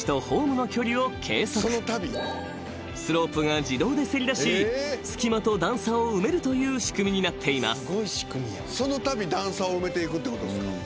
［スロープが自動でせり出し隙間と段差を埋めるという仕組みになっています］